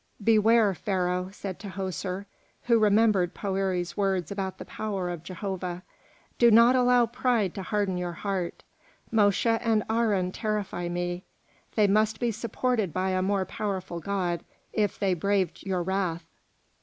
"Beware, Pharaoh," said Tahoser, who remembered Poëri's words about the power of Jehovah. "Do not allow pride to harden your heart. Mosche and Aharon terrify me; they must be supported by a more powerful god, for they braved your wrath."